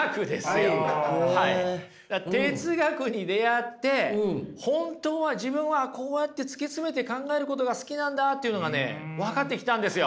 哲学に出会って本当は自分はこうやって突き詰めて考えることが好きなんだっていうのがね分かってきたんですよ。